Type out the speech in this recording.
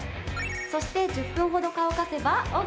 そして１０分ほど乾かせばオーケー。